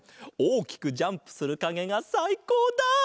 おおきくジャンプするかげがさいこうだ！